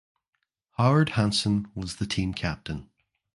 Howard Hansen was the team captain.